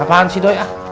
apaan sih doi